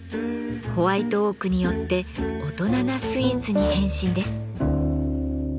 ホワイトオークによって大人なスイーツに変身です。